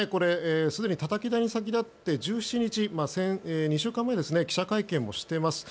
すでに、たたき台に先立って１７日２週間前に記者会見もしています。